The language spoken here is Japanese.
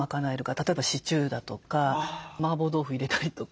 例えばシチューだとかマーボー豆腐入れたりとか。